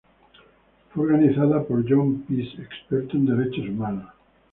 Fue organizada por John Pace, experto en Derechos Humanos.